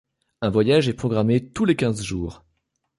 Un voyage est programmé tous les quinze jours.